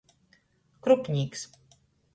Krupnīks.